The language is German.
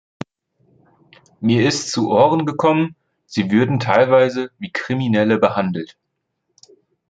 Mir ist zu Ohren gekommen, sie würden teilweise wie Kriminelle behandelt.